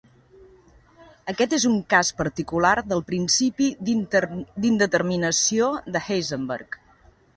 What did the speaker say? Aquest és un cas particular del principi d'indeterminació de Heisenberg.